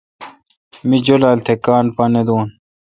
می جولال تھ کاں پا نہ دو۔